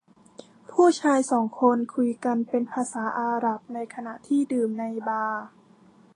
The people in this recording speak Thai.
ผู้ชายสองคนคุยกันเป็นภาษาอาหรับในขณะที่ดื่มในบาร์